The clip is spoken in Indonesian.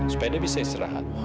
supaya dia bisa istirahat